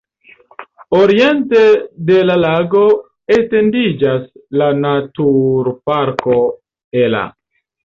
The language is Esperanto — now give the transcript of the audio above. Oriente de la lago etendiĝas la naturparko Ela.